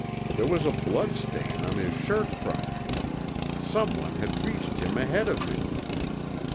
There was a blood stain on his shirt front! Someone had reached him ahead of me!